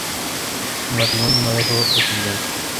El matrimonio no dejó descendencia.